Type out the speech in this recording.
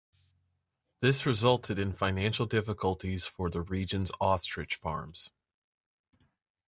This resulted in financial difficulties for the region's ostrich farms.